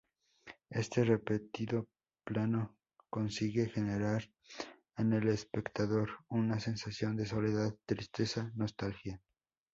Este repetido plano consigue generar en el espectador una sensación de soledad, tristeza, nostalgia.